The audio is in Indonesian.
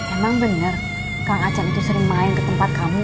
emang bener kang aceh itu sering main ke tempat kamu